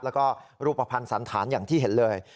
แล้วก็รูปภัณฑ์สันธารอย่างที่เห็นเลย